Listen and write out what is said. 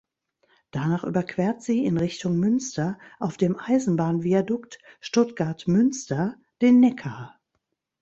Danach überquert sie in Richtung Münster auf dem Eisenbahnviadukt Stuttgart-Münster den Neckar.